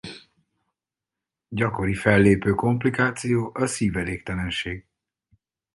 Gyakori fellépő komplikáció a szívelégtelenség.